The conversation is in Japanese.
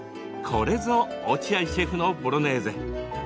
これぞ落合シェフのボロネーゼ。